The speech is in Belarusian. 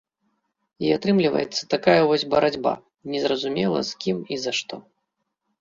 І атрымліваецца такая вось барацьба незразумела з кім і за што.